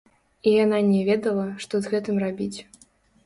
І яна не ведала, што з гэтым рабіць.